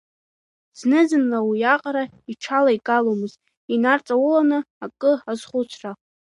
Знызынла уиаҟара иҽалаигаломызт инарҵауланы акы азхәыцра.